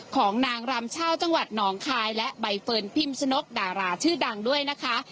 ของนางรำชาวจังหวัดหนองคายและใบเฟิร์นพิมชนกดาราชื่อดังด้วยนะคะ